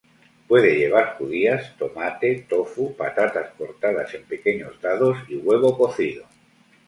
Puede llevar judías, tomate, tofu, patatas cortadas en pequeños dados y huevo cocido.